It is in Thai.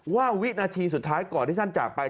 วินาทีสุดท้ายก่อนที่ท่านจากไป